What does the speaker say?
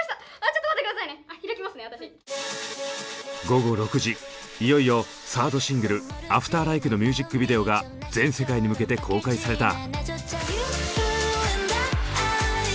午後６時いよいよサードシングル「ＡｆｔｅｒＬＩＫＥ」のミュージックビデオが全世界に向けて公開された。